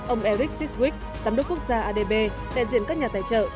ông eric sishwick giám đốc quốc gia adb đại diện các nhà tài trợ